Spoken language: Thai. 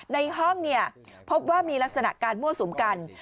ในห้องพบว่ามีลักษณะการมั่วสุมกัน